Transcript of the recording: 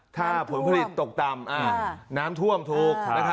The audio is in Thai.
ถ้าผลผลิตตกต่ำน้ำท่วมถูก